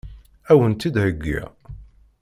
Ad wen-tt-id-heggiɣ?